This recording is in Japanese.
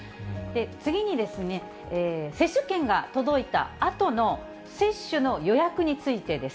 次にですね、接種券が届いたあとの接種の予約についてです。